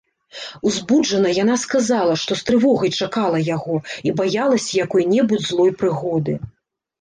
Узбуджана яна сказала, што з трывогай чакала яго і баялася якой-небудзь злой прыгоды.